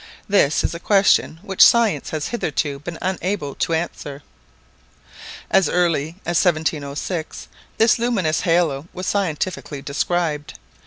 This is a question which science has hitherto been unable to answer. As early as 1706 this luminous halo was scientifically described.